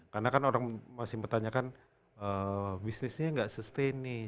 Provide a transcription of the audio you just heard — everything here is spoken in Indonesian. karena kan orang masih bertanya kan bisnisnya gak sustain nih